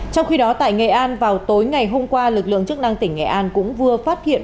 trong khi đó tại nghệ an vào tối ngày hôm qua lực lượng chức năng tỉnh nghệ an cũng vừa phát hiện